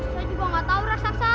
saya juga nggak tahu raksasa